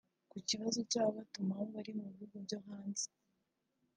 Ku kibazo cy’ababatumaho bari mu bihugu byo hanze